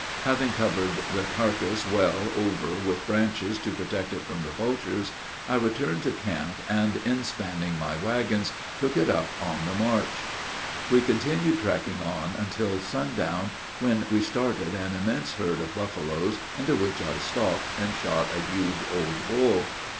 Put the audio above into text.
Having covered the carcass well over with branches to protect it from the vultures, I returned to camp, and, inspanning my wagons, took it up on the march. We continued trekking on until sundown, when we started an immense herd of buffaloes, into which I stalked, and shot a huge old bull.